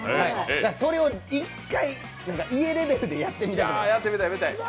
それを１回家レベルでやってみたい。